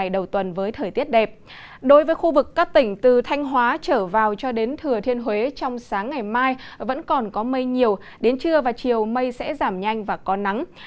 đối với khu vực các tỉnh từ thanh hóa trở vào cho đến thừa thiên huế trong sáng ngày mai vẫn còn có mây nhiều đến trưa và chiều mây sẽ giảm nhanh và có nắng